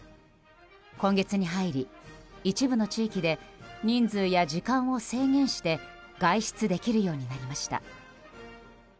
今月に入り、一部の地域で人数や時間を制限して外出できるようになりました。